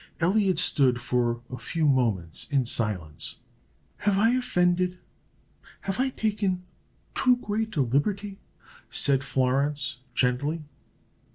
Elliot stood for a few moments in silence. "Have I offended? Have I taken too great a liberty?" said Florence, gently.